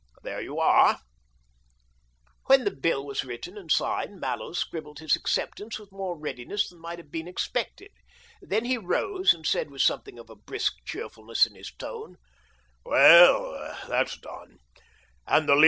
There you are !" When the bill was written and signed. Mallows scribbled his acceptance with more readiness than might have been expected. Then he rose, and said with something of brisk cheerfulness in his tone, "Well, that's done, and the least *' AVALANCHE BICYCLE AND TYRE C0.